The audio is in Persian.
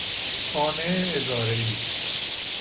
خانه اجاره ای